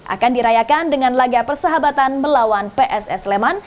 akan dirayakan dengan laga persahabatan melawan pss leman